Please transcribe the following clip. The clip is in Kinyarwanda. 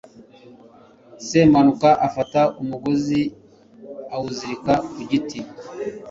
semuhanuka afata umugozi, awuzirika ku giti